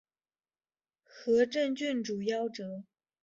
和政郡主夭折。